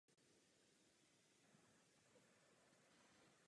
Dále se na této fasádě nachází dvě gotická obdélná okna s kamennými kříži.